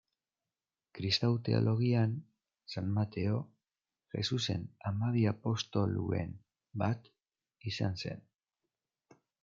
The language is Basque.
Kristau teologian, San Mateo Jesusen hamabi apostoluen bat izan zen.